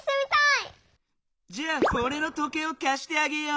じゃあおれの時計をかしてあげよう。